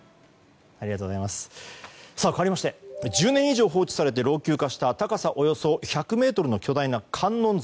かわりまして１０年以上放置されて老朽化した高さおよそ１００ｍの巨大な観音像。